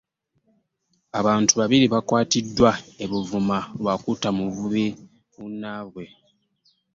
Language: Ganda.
Abantu babiri bakwatiddwa e Buvuma lwa kutta muvubi munnaabwe